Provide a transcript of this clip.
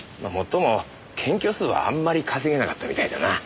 最も検挙数はあんまり稼げなかったみたいだな。